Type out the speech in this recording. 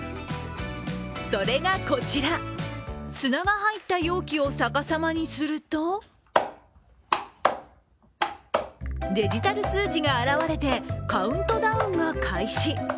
それがこちら、砂が入った容器を逆さまにするとデジタル数字が現れてカウントダウンが開始。